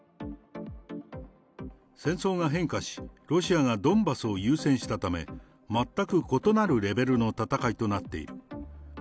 戦争が変化し、ロシアがドンバスを優先したため、全く異なるレベルの戦いとなっている。